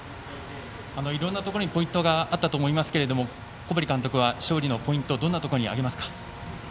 いろんなところにポイントがあったと思いますが小針監督は勝利のポイントどんなところにありますか。